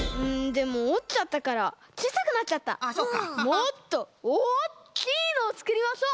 もっとおおきいのをつくりましょう！